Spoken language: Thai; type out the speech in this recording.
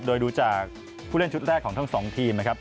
โดยดูจากผู้เล่นชุดแรกของทั้งสองทีมนะครับ